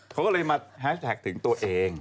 เขาก็เลยมาแฮชแท็กถึงตัวเอง